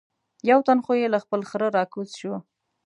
یو تن خو یې له خپل خره را کوز شو.